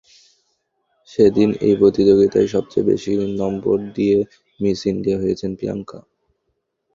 সেদিন সেই প্রতিযোগিতায় সবচেয়ে বেশি নম্বর নিয়ে মিস ইন্ডিয়া হয়েছিলেন প্রিয়াঙ্কা।